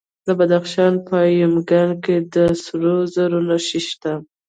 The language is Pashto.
د بدخشان په یمګان کې د سرو زرو نښې شته.